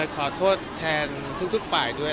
ขอโทษแทนทุกฝ่ายด้วย